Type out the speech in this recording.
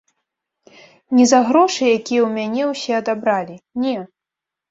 Не за грошы, якія ў мяне ўсе адабралі, не.